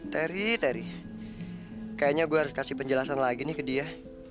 teri terry kayaknya gue harus kasih penjelasan lagi nih ke dia